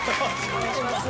お願いします。